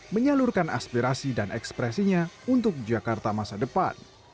menyalurkan aspirasi dan ekspresinya untuk jakarta masa depan